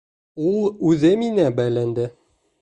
Ул үҙе миңә бәйләнде!